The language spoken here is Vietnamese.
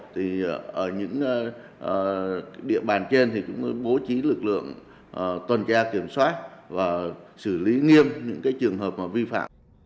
thì ở những địa bàn trên thì cũng bố trí lực lượng tuần tra kiểm soát và xử lý nghiêm những trường hợp vi phạm